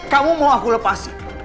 kamu mau aku lepasin